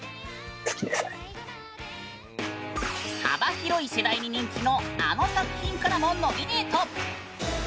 幅広い世代に人気のあの作品からもノミネート！